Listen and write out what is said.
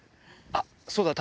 あっそうだ！